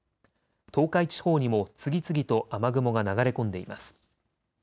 東海地方にも次々と雨雲が流れ込んでいます。